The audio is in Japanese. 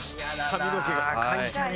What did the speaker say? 髪の毛が。